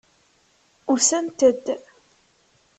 Usant-d.